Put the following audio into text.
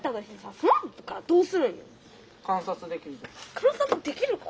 観察できるか？